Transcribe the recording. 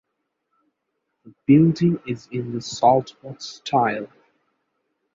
The building is in the saltbox style.